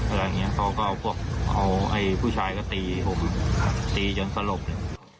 แล้วอย่างนี้เขาก็เอาผู้ชายก็ตีผมตีจนกระลบเลย